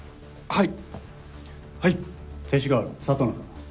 はい！